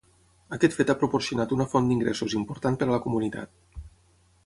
Aquest fet ha proporcionat una font d'ingressos important per a la comunitat.